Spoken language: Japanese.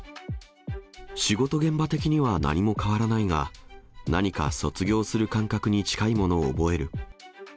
仕事現場的には何も変わらないが、何か卒業する感覚に近いものを覚える。